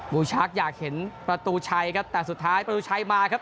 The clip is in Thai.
ูชักอยากเห็นประตูชัยครับแต่สุดท้ายประตูชัยมาครับ